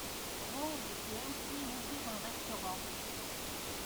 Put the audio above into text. Rose peut ainsi ouvrir un restaurant.